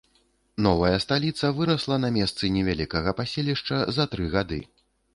Новая сталіца вырасла на месцы невялікага паселішча за тры гады.